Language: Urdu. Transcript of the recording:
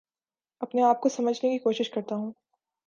اپنے آپ کو سمجھنے کی کوشش کرتا ہوں